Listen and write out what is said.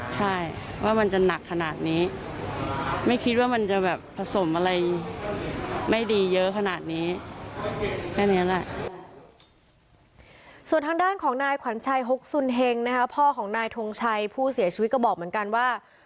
ส่วนทางด้านของนายขวัญชัยฮกสุนเฮงนะคะพ่อของนายทงชัยผู้เสียชีวิตก็บอกเหมือนกันว่า